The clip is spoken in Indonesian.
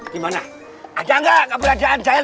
dimana ada gak keberadaan jahil